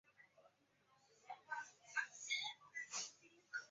这些特点被认为是北落师门的环带在形态学上受到重力雕刻的强有力证据。